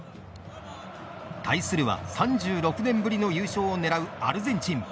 対するは３６年ぶりの優勝を狙うアルゼンチン。